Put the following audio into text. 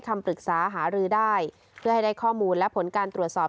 คำปรึกษาหารือได้เพื่อให้ได้ข้อมูลและผลการตรวจสอบ